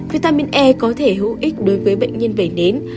vitamin e có thể hữu ích đối với bệnh nhân bệnh